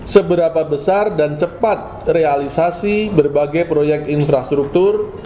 seberapa besar dan cepat realisasi berbagai proyek infrastruktur